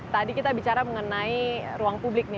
tadi kita bicara mengenai ruang publik nih